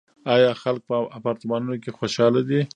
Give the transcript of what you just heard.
آیا خلک په اپارتمانونو کې خوشحاله دي؟